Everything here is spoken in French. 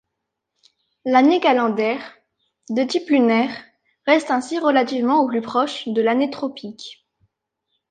L'année calendaire, de type lunaire, reste ainsi relativement au plus proche de l'année tropique.